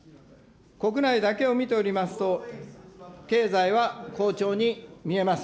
国内だけを見ておりますと、経済は好調に見えます。